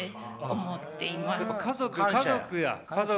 やっぱ家族家族や。